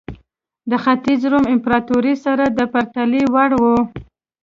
د ختیځ روم امپراتورۍ سره د پرتلې وړ وه.